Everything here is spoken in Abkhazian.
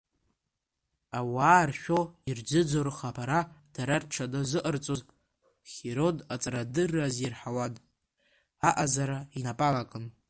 Ауаа ршәо, ирӡыӡо рхаԥара дара рҽаназыҟарҵоз, Хирон аҵарадырра азирҳауан, аҟазара инапалакын.